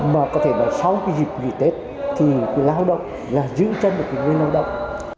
mà có thể nói sau cái dịp nghỉ tết thì người lao động là giữ chân được người lao động